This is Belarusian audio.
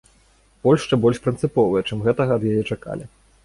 Польшча больш прынцыповая, чым гэтага ад яе чакалі.